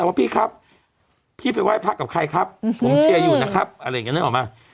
ว่าพี่ครับพี่ไปไหว้พระกับใครครับผมเชียร์อยู่นะครับอะไรอย่างนี้นึกออกไหม